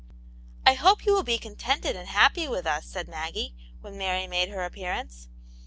" I hope you will be contented and happy with us,*' said Maggie, when Mary made her appearance.